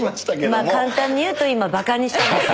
まあ簡単に言うと今バカにしたんです。